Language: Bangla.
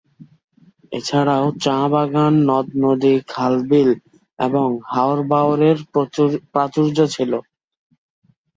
এছাড়াও চা বাগান, নদ-নদী, খাল-বিল এবং হাওর-বাওরের প্রাচুর্য ছিলো।